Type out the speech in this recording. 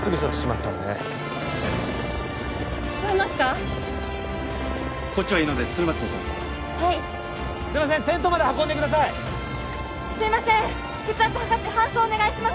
すいません血圧測って搬送お願いします